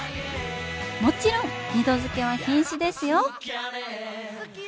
もちろん二度漬けは禁止ですよ